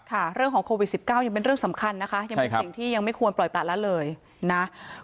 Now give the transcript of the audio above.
ค่ะเรื่องของโควิด๑๙ยังเป็นเรื่องสำคัญนะคะยังเป็นสิ่งที่ยังไม่ควรปล่อยประละเลยนะ